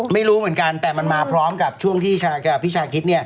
ไม่รู้เหมือนกันแต่มันมาพร้อมกับช่วงที่พี่ชาคิด